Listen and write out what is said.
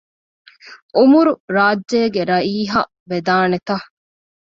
އުމަރު ރާއްޖޭގެ ރައީހަށް ވެދާނެތަ؟